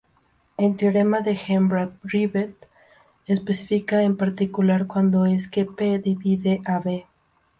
El teorema de Herbrand–Ribet especifica en particular, cuando es que "p" divide a "B".